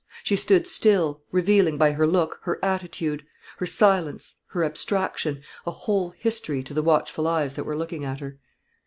She stood still; revealing, by her look, her attitude, her silence, her abstraction, a whole history to the watchful eyes that were looking at her.